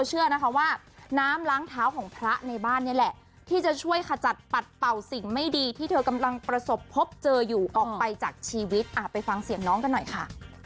เชื่อนะคะว่าน้ำล้างเท้าของพระในบ้านนี่แหละที่จะช่วยขจัดปัดเป่าสิ่งไม่ดีที่เธอกำลังประสบพบเจออยู่ออกไปจากชีวิตไปฟังเสียงน้องกันหน่อยค่ะ